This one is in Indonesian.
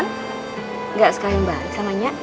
nggak suka yang banget sama nyak